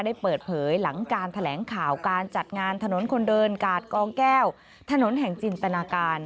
ได้เปิดเผยหลังการแถลงข่าวการจัดงานถนนคนเดินกาดกองแก้วถนนแห่งจินตนาการ